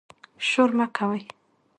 شور مه کوئ